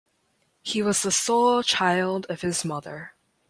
He was the sole child of his mother.